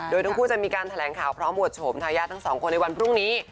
โดยทั้งคู่จะมีการแถลงข่าวพร้อมบวชโฉมทายาททั้งสองคนในวันพรุ่งนี้